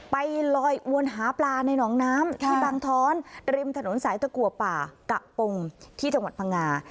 ไปลอยอวนหาปลาในหนองน้ำที่บางท้อนริมถนนสายตะกัวป่ากะปงที่จังหวัดพังงา